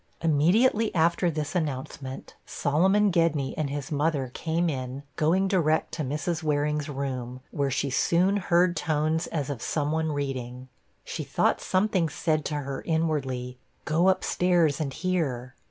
Immediately after this announcement, Solomon Gedney and his mother came in, going direct to Mrs. Waring's room, where she soon heard tones as of some one reading. She thought something said to her inwardly, 'Go up stairs and hear.'